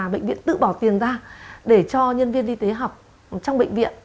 bệnh viện tự bỏ tiền ra để cho nhân viên y tế học trong bệnh viện